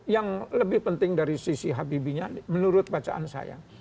yang lebih penting dari sisi habibinya menurut bacaan saya